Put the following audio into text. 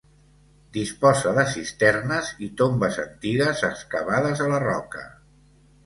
Disposa de cisternes i tombes antigues excavades a la roca.